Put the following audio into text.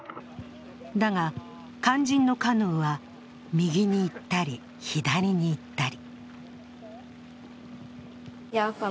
だが、肝心のカヌーは右に行ったり左に行ったり。